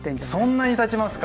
そんなにたちますか。